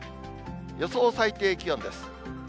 予想最低気温です。